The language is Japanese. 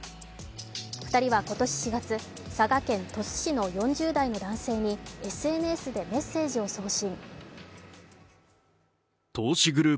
２人は今年４月、佐賀県鳥栖市の４０代の男性にＳＮＳでメッセージを送信。